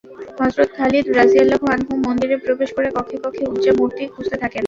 হযরত খালিদ রাযিয়াল্লাহু আনহু মন্দিরে প্রবেশ করে কক্ষে কক্ষে উযযা মূর্তি খুঁজতে থাকেন।